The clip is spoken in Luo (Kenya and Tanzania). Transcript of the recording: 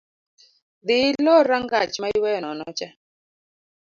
Dhii ilor rangach ma iweyo nono cha